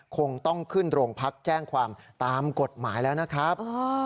คงต้องขึ้นโรงพักแจ้งความตามกฎหมายแล้วนะครับ